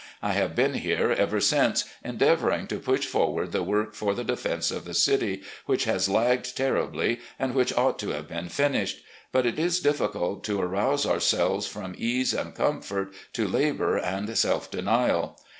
I have been here ever since, endeavouring to push forward the work for the defense of the city, which has lagged terribly and which ot>ght to have been finished. But it is difficult to arouse our selves from ease and comfort to labour and self denial.